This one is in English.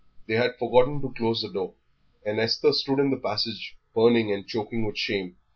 They had forgotten to close the door, and Esther stood in the passage burning and choking with shame.